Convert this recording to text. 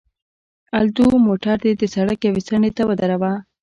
الدو، موټر دې د سړک یوې څنډې ته ودروه.